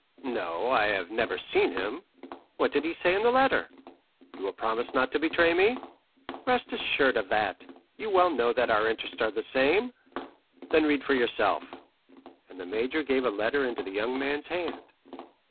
"No, I have never seen him." "What did he say in the letter?" "You will promise not to betray me?" "Rest assured of that; you well know that our interests are the same." "Then read for yourself;" and the major gave a letter into the young man's hand.